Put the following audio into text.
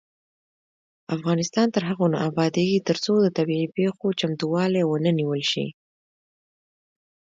افغانستان تر هغو نه ابادیږي، ترڅو د طبيعي پیښو چمتووالی ونه نیول شي.